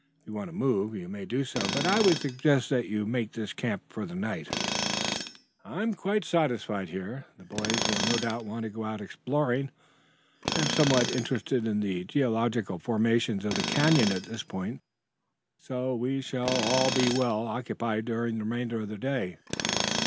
If you want to move, you may do so, but I would suggest that you make this your camp for the night" "I am quite well satisfied here. The boys will no doubt want to go out exploring. I am somewhat interested in the geological formation of the canyon at this point, so we shall all be well occupied during the remainder of the day.